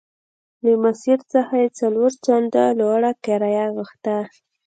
له ماسیر څخه یې څلور چنده لوړه کرایه غوښته.